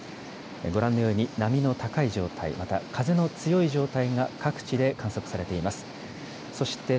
ご覧のように波の高い状態、また風の強い状態が各地で観測されています。